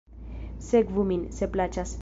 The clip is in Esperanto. Sekvu min, se plaĉas.